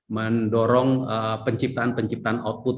mendorong penciptaan penciptaan output